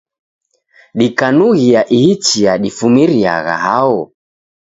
Dikanughia ihi chia difumiriagha hao?